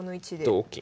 同金。